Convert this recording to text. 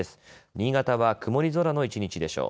新潟は曇り空の一日でしょう。